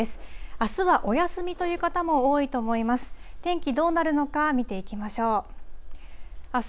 あすはお休みという方も多いと思います。